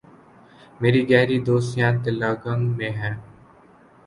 میری گہری دوستیاں تلہ گنگ میں ہیں۔